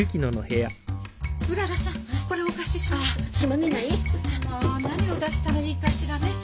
まあ何を出したらいいかしらね？